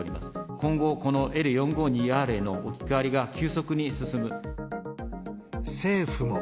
今後、このＬ４５２Ｒへの置き換わりが急速に進む。